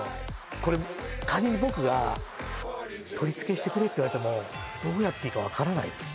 これ仮に僕が取り付けしてくれって言われてもどうやっていいか分からないです